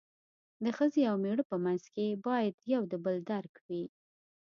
د ښځې او مېړه په منځ کې باید یو د بل درک وي.